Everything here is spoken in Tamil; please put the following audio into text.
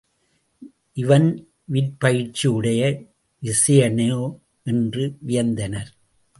இவன் விற்பயிற்சி உடைய விசயனோ என்று வியந்தனர்.